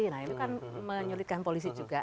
nah itu kan menyulitkan polisi juga